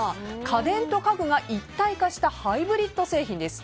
家電と家具が一体化したハイブリッド製品です。